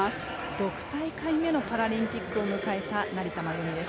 ６大会目のパラリンピックを迎えた成田真由美です。